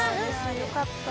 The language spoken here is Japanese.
よかった。